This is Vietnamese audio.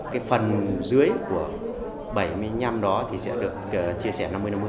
cái phần dưới của bảy mươi năm đó thì sẽ được chia sẻ năm mươi năm mươi